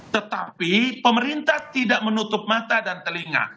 tetapi pemerintah tidak menutup mata dan telinga